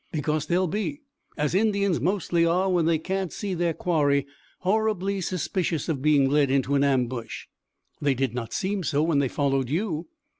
"Because they'll be, as Indians mostly are when they can't see their quarry, horribly suspicious of being led into an ambush." "They did not seem so when they followed you."